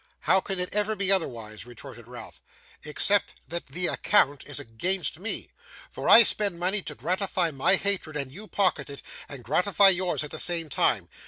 'How can it ever be otherwise?' retorted Ralph. 'Except that the account is against me, for I spend money to gratify my hatred, and you pocket it, and gratify yours at the same time.